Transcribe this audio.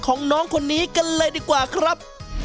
ของน้องคนนี้กันเลยดีกว่าครับ